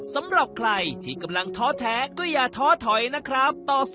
สำหรับใครที่กำลังท้อแท้ก็อย่าท้อถอยนะครับ